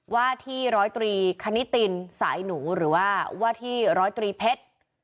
ว่าที่ร้อยตรีคณิตินสายหนูหรือว่าว่าที่ร้อยตรีเพชร